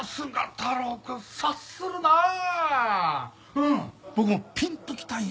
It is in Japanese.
うん僕もピンときたんよ。